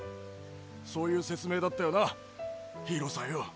そういう説明だったよなヒーローさんよ！？